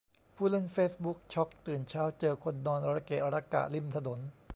ผู้เล่นเฟซบุ๊กช็อก ตื่นเช้าเจอคนนอนระเกะระกะริมถนน